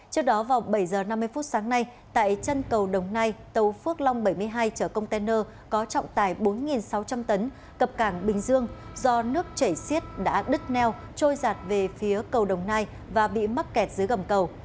trước đó vào bảy h năm mươi phút sáng nay tại chân cầu đồng nai tàu phước long bảy mươi hai chở container có trọng tải bốn sáu trăm linh tấn cập cảng bình dương do nước chảy xiết đã đứt neo trôi giạt về phía cầu đồng nai và bị mắc kẹt dưới gầm cầu